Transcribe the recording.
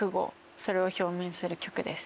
それを表明する曲です。